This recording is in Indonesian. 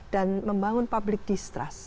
dan membangun public distrust